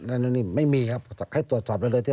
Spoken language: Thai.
นั่นนี่ไม่มีครับให้ตรวจสอบได้เลยที่